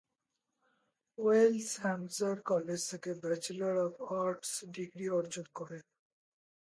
Wallace Hampshire college থেকে bachelor of arts degree অর্জন করেন।